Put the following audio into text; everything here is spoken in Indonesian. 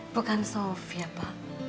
bukan sofia pak